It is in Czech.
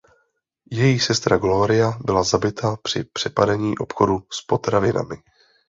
Její sestra Gloria byla zabita při přepadení obchodu s potravinami.